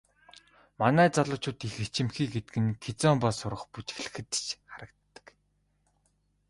Манай залуучууд их ичимхий гэдэг нь кизомба сурах, бүжиглэхэд ч харагддаг.